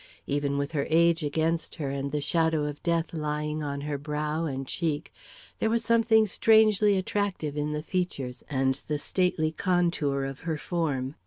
Even with her age against her and the shadow of death lying on her brow and cheek, there was something strangely attractive in the features and the stately contour of her form.